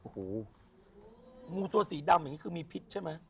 โอ้โหงูตัวสีดำอย่างนี้คือมีพิษใช่ไหม